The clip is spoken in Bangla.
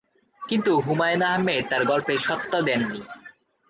কিন্তু হুমায়ূন আহমেদ তার গল্পের স্বত্ব দেন নি।